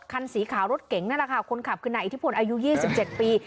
คันสีขาวรถเก๋งนั่นแหละค่ะคนขับขึ้นอายุยี่สิบเจ็บปี